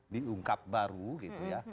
diungkap baru gitu ya